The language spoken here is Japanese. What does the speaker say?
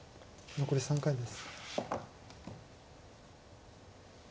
残り３回です。